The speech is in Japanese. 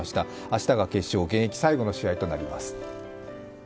明日が決勝、現役最後の試合となります。